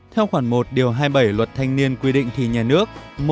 theo khoảng một hai mươi bảy luật thanh niên quy định thì nhà nước